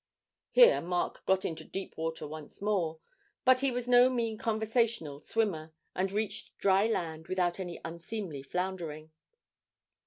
"' Here Mark got into deep water once more; but he was no mean conversational swimmer, and reached dry land without any unseemly floundering.